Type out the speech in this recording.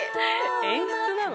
演出なの？